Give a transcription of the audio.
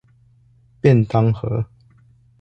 便當盒